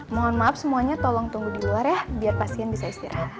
mohon maaf semuanya tolong tunggu di luar ya biar pasien bisa istirahat